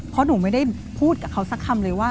เพราะหนูไม่ได้พูดกับเขาสักคำเลยว่า